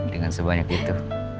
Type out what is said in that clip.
dengan sebanyak itu